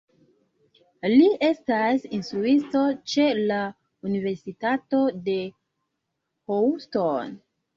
Li estas instruisto ĉe la Universitato de Houston.